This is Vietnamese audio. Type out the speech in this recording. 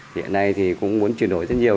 hiện nay thì cũng muốn chuyển đổi rất nhiều